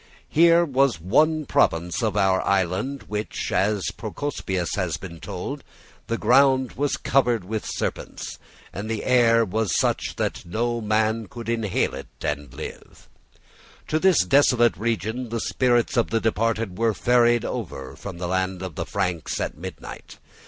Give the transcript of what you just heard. There was one province of our island in which, as Procopius had been told, the ground was covered with serpents, and the air was such that no man could inhale it and live. To this desolate region the spirits of the departed were ferried over from the land of the Franks at midnight.